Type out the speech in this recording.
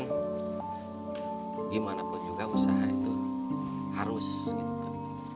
hai gimana pun juga usaha itu harus gitu